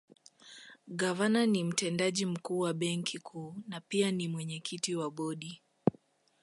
Gavana ni Mtendaji Mkuu wa Benki Kuu na pia ni mwenyekiti wa Bodi